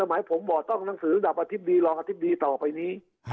หมายผมบอกต้องหนังสือกับอธิบดีรองอธิบดีต่อไปนี้